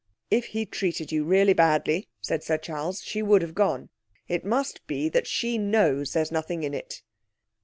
'If he treated you really badly,' said Sir Charles, 'she would have gone. It must be that she knows there's nothing in it.'